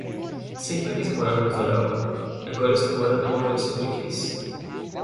Sempre quis morar no litoral. Agora estou morando onde eu sempre quis